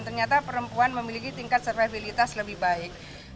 ternyata perempuan memiliki tingkat survivalitas lebih baik